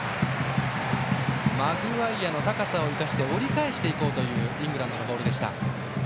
マグワイアの高さを生かして折り返していこうというイングランドのボールでした。